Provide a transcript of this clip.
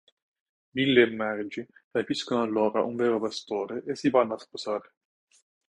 Billy e Margie rapiscono allora un vero pastore e si vanno a sposare.